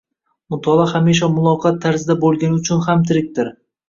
Mutolaa hamisha muloqot tarzida bo‘lgani uchun ham tirikdir.